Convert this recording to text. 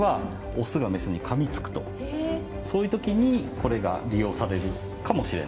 そういうときにこれが利用されるかもしれないという。